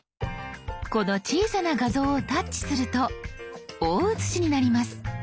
この小さな画像をタッチすると大写しになります。